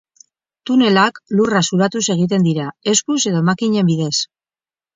Tunelak, lurra zulatuz egiten dira, eskuz edo makinen bidez.